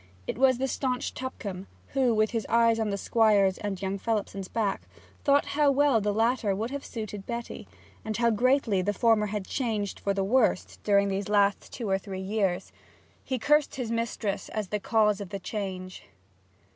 It was the staunch Tupcombe, who, with his eyes on the Squire's and young Phelipson's backs, thought how well the latter would have suited Betty, and how greatly the former had changed for the worse during these last two or three years. He cursed his mistress as the cause of the change.